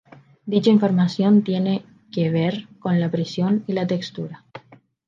Dicha información tiene que ver con la presión y la textura.